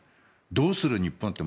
どうする日本って